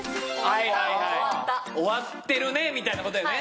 はいはい終わってるねみたいなことよね・